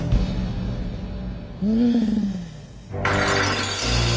うん。